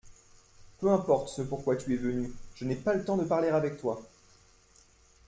Peu importe ce pourquoi tu es venu, je n’ai pas le temps de parler avec toi.